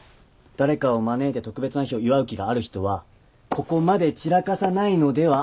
誰かを招いて特別な日を祝う気がある人はここまで散らかさないのでは？